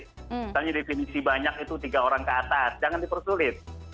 misalnya definisi banyak itu tiga orang ke atas jangan dipersulit